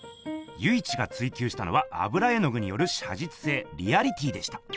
由一が追求したのは油絵の具によるしゃじつせいリアリティでした。